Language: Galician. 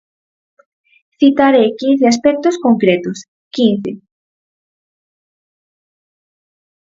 Citarei quince aspectos concretos, quince.